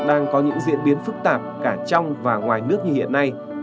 đang có những diễn biến phức tạp cả trong và ngoài nước như hiện nay